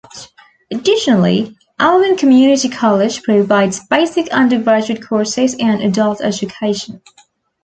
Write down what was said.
Additionally, Alvin Community College provides basic undergraduate courses and adult education.